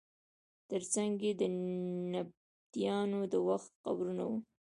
تر څنګ یې د نبطیانو د وخت قبرونه وو.